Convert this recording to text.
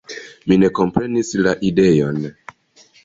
Mi ne komprenis la ideon.